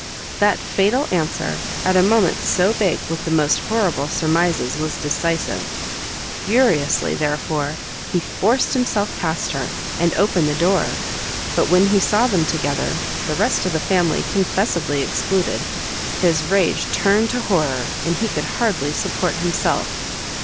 That fatal answer, at a moment so big with the most horrible surmises, was decisive: furiously, therefore, he forced himself past her, and opened the door: but when he saw them together, the rest of the family confessedly excluded, his rage turned to horror, and he could hardly support himself.